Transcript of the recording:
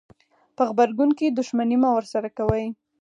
په غبرګون کې دښمني مه ورسره کوئ.